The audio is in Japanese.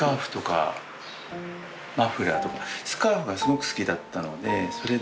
スカーフがすごく好きだったのでそれで。